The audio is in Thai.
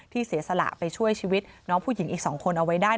เสียสละไปช่วยชีวิตน้องผู้หญิงอีก๒คนเอาไว้ได้